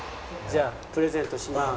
じゃあプレゼントします。